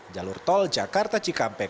jalur tol jakarta cikampek